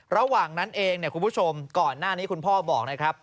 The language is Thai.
ระหว่างนั้นเองเนี่ยคุณผู้ชมก่อนหน้านี้คุณพ่อบอกนะครับ